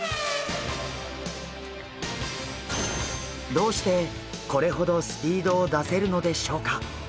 どうしてこれほどスピードを出せるのでしょうか。